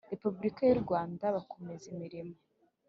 Repubulika y u Rwanda bakomeza imirimo